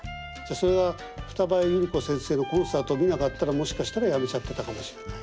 それが二葉百合子先生のコンサートを見なかったらもしかしたら辞めちゃってたかもしれない。